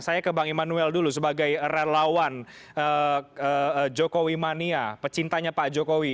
saya ke bang immanuel dulu sebagai relawan jokowi mania pecintanya pak jokowi